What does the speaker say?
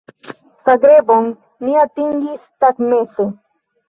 Zagrebon ni atingis tagmeze.